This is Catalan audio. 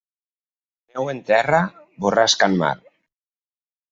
Neu en terra, borrasca en mar.